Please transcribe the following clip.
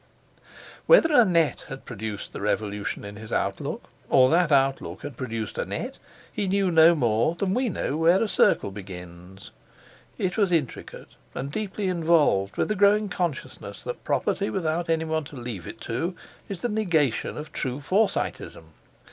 Whether Annette had produced the revolution in his outlook, or that outlook had produced Annette, he knew no more than we know where a circle begins. It was intricate and deeply involved with the growing consciousness that property without anyone to leave it to is the negation of true Forsyteism.